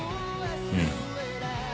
うん。